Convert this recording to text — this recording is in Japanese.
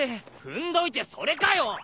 踏んどいてそれかよ！